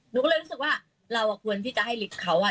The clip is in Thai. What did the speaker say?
หนูก็เลยรู้สึกว่าเราควรที่จะให้ลิฟต์เขา